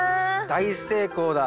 大成功だ。